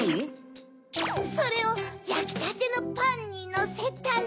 それをやきたてのパンにのせたら。